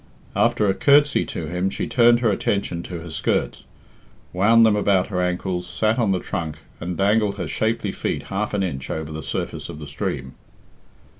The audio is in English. After a curtsey to him she turned her attention to her skirts, wound them about her ankles, sat on the trunk, and dangled her shapely feet half an inch over the surface of the stream.